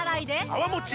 泡もち